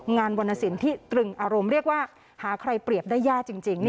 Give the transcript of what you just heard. วรรณสินที่ตรึงอารมณ์เรียกว่าหาใครเปรียบได้ยากจริง